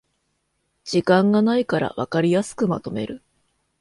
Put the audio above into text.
時間がないからわかりやすくまとめる